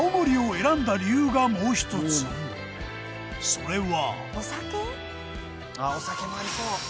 それは。